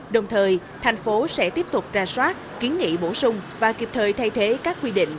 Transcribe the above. đồng thời thành phố sẽ tiếp tục ra soát kiến nghị bổ sung và kịp thời thay thế các quy định